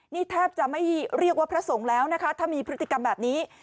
นี่แทบจะไม่เรียกว่าพระสงฆ์แล้วนะคะถ้ามีพฤติกรรมแบบนี้